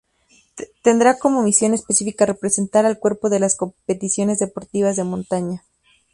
Tendrá como misión específica representar al Cuerpo en las competiciones deportivas de montaña.